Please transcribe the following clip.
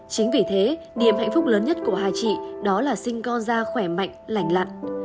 chính vì thế niềm hạnh phúc lớn nhất của hai chị đó là sinh con da khỏe mạnh lành lặn